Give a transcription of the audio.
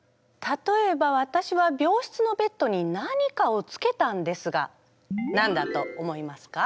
例えばわたしは病室のベッドに何かをつけたんですが何だと思いますか？